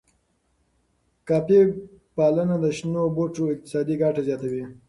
کافی پالنه د شنو بوټو اقتصادي ګټه زیاتوي.